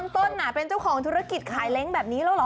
ต้นเป็นเจ้าของธุรกิจขายเล้งแบบนี้แล้วเหรอ